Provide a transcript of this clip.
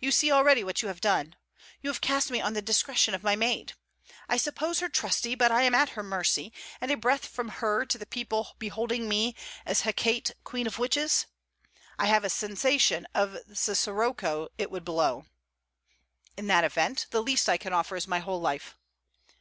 You see already what you have done? You have cast me on the discretion of my maid. I suppose her trusty, but I am at her mercy, and a breath from her to the people beholding me as Hecate queen of Witches! ... I have a sensation of the scirocco it would blow.' 'In that event, the least I can offer is my whole life.'